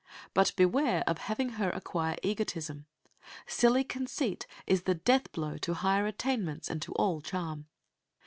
But beware of having her acquire egotism. Silly conceit is the death blow to higher attainments and to all charm.